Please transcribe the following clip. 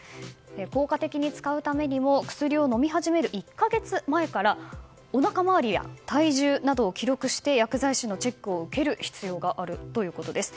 効果的に使うためにも薬を飲み始める１か月前から、おなか周りや体重などを記録して薬剤師のチェックを受ける必要があるということです。